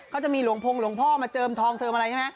เขาจะมีหลวงพงศ์หลวงพ่อมาเจิมทองเจิมอะไรใช่ไหม